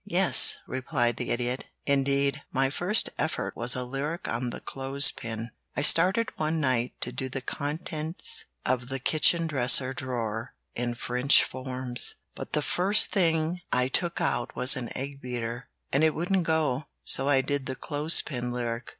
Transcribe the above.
"Yes," replied the Idiot. "Indeed, my first effort was a lyric on the clothes pin. I started one night to do the contents of the kitchen dresser drawer in French forms, but the first thing I took out was an egg beater, and it wouldn't go, so I did the clothes pin lyric.